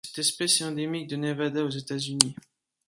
Cette espèce est endémique de Nevada aux États-Unis.